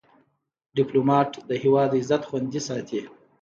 ډيپلومات د هیواد عزت خوندي ساتي.